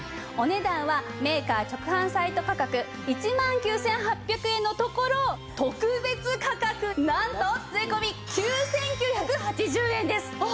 お値段はメーカー直販サイト価格１万９８００円のところ特別価格なんと税込９９８０円です。